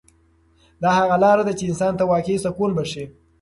دا هغه لاره ده چې انسان ته واقعي سکون بښي.